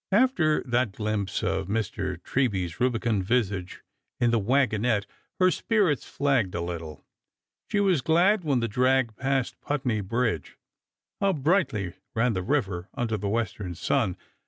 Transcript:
After that glimpse of Mr. Treby's rubicund visage in the wagon ette her spirits flagged a little. She was glad when the drag passed Putney bridge. How brightly ran the river under the western sun !